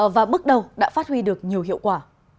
và bước đầu đã phát huy được nhiều hiệu quả